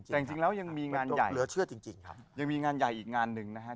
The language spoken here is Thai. แต่จริงแล้วยังมีงานใหญ่อีกงานหนึ่งนะครับ